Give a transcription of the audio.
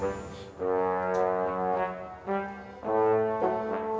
gak mau atuh ceng